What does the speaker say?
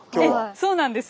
そうなんです。